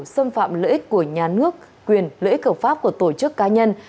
xâm phạm lợi ích của nhà nước quyền lợi ích hợp pháp của tổ chức cá nhân